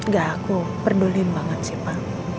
gak aku peduli banget siapa